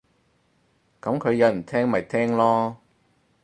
噉佢有人聽咪聽囉